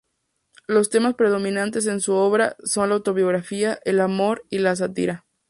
Los temas predominantes en su obra son la autobiografía, el amor y la sátira.